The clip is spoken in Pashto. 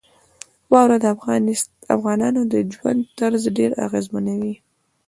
واوره د افغانانو د ژوند طرز ډېر اغېزمنوي.